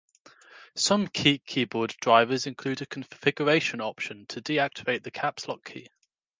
Some keyboard drivers include a configuration option to deactivate the Caps Lock key.